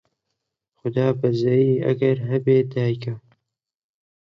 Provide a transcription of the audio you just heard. خودای بەزەیی ئەگەر هەبێ دایکە